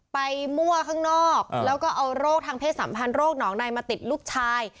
มั่วข้างนอกแล้วก็เอาโรคทางเพศสัมพันธ์โรคหนองในมาติดลูกชาย